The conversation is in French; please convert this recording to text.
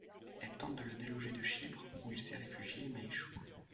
Elle tente de le déloger de Chypre, où il s'est réfugié, mais échoue.